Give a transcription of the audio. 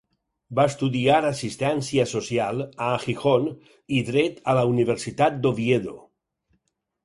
Va estudiar Assistència Social a Gijón i Dret en la Universitat d'Oviedo.